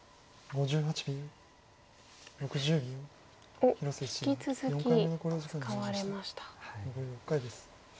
おっ引き続き使われました。